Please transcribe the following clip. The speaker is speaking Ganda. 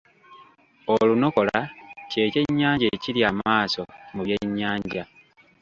Olunokola kye kyennyanja ekirya amaaso mu by’ennyanja.